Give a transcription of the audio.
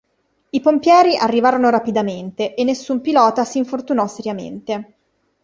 I pompieri arrivarono rapidamente e nessun pilota si infortunò seriamente.